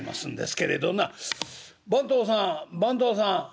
「番頭さん番頭さん」。